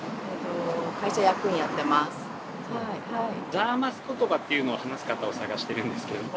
「ザーマス言葉」っていうのを話す方を探してるんですけれども。